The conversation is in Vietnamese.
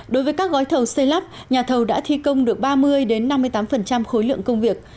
đối với các gói thầu xây lắp nhà thầu đã thi công được ba mươi năm mươi tám khối lượng công việc